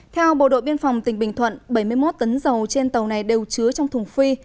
theo bộ đội biên phòng tỉnh bình thuận bảy mươi một tấn dầu trên tàu này đều chứa trong thùng phi